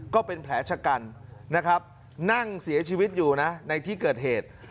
ก็เป็นแผลชะกันนะครับนั่งเสียชีวิตอยู่นะในที่เกิดเหตุ